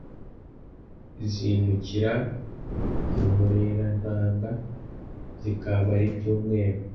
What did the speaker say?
zimukira mu murerantanga zikahamara ibyumweru